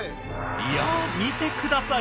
いや見てください。